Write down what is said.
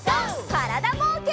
からだぼうけん。